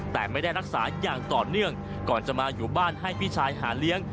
แต่ไม่ได้รักษาอย่างต่อเนื่องก่อนจะมาอยู่บ้านให้พี่ชายหาเลี้ยง